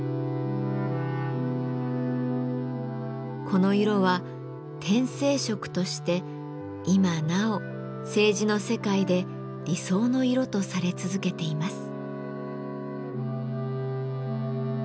この色は「天青色」として今なお青磁の世界で理想の色とされ続けています。